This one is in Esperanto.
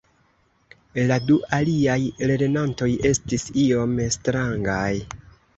la du aliaj lernantoj estis iom strangaj